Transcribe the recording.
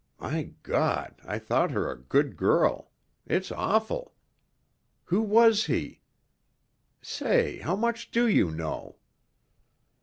My God, I thought her a good girl it's awful! Who was he? Say, how much do you know?"